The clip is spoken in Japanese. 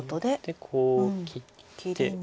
でこう切って。